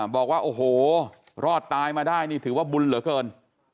บอกว่าโอ้โหรอดตายมาได้นี่ถือว่าบุญเหลือเกิน